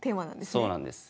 そうなんです。